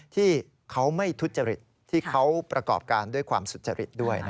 ที่เขาไม่ทุจริตที่เขาประกอบการด้วยความสุจริตด้วย